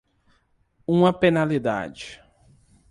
Uma penalidade.